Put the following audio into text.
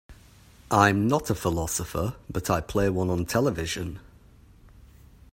I'm not a philosopher, but I play one on television.